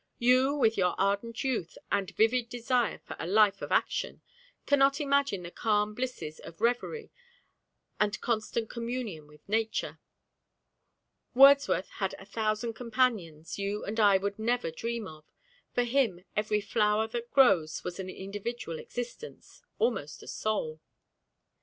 'You, with your ardent youth and vivid desire for a life of action, cannot imagine the calm blisses of reverie and constant communion with nature. Wordsworth had a thousand companions you and I would never dream of; for him every flower that grows was an individual existence almost a soul.'